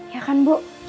ya kan bu